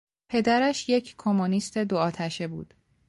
پدرش یک کمونیست دو آتشه بود.